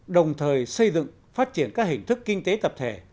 đồng thời xây dựng phát triển các hình thức kinh tế tập thể